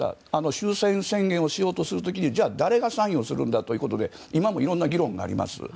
終戦宣言をしようとする時に誰がサインをするんだということで今もいろんな議論があります。